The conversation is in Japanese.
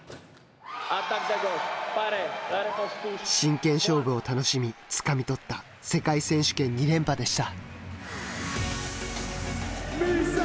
真剣勝負を楽しみ、つかみ取った世界選手権２連覇でした。